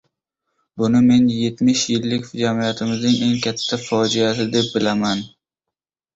Buni men yetmish yillik jamiyatimizning eng katta fojiasi deb bilaman.